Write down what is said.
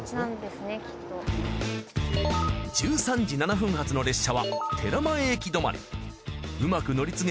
１３時７分発の列車は寺前駅止まり。